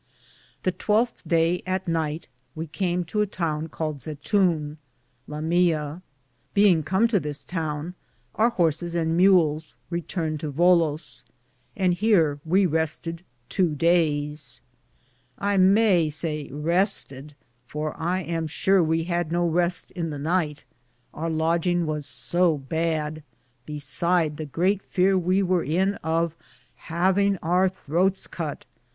The 1 2th daye, at nyghte, we came to a towne caled Zetoune.^ Beinge come to this towne, our horsis and mayls (mules) returned to Vola ; and heare we rested tow dayes. I may say rested, for I am sure we had no reste in the nyghte, our lodginge was so bade, be side the greate feare we wear in of haveinge our throtes cutt.